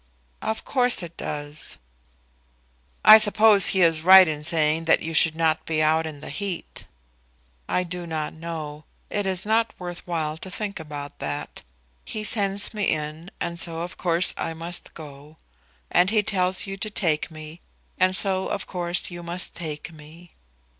"Of course it does." "I suppose he is right in saying that you should not be out in the heat." "I do not know. It is not worth while to think about that. He sends me in, and so of course I must go. And he tells you to take me, and so of course you must take me."